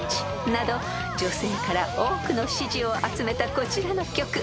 女性から多くの支持を集めたこちらの曲］